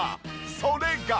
それが。